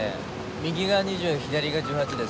右が２０左が１８です。